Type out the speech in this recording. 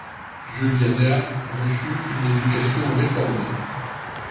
Juliana reçut une éducation réformée.